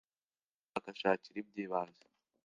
ntibavunwe no kujya kwishakashakira iby’ibanze,